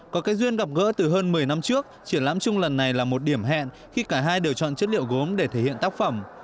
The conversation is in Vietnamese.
có cái duyên gặp gỡ từ hơn một mươi năm trước triển lãm chung lần này là một điểm hẹn khi cả hai đều chọn chất liệu gốm để thể hiện tác phẩm